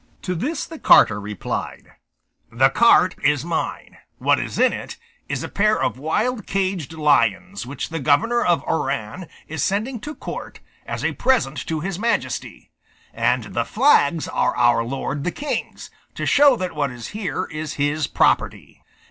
To this the carter replied, "The cart is mine; what is in it is a pair of wild caged lions, which the governor of Oran is sending to court as a present to his Majesty; and the flags are our lord the King's, to show that what is here is his property."